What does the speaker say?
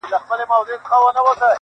خدایه ته ګډ کړې دا د کاڼو زیارتونه-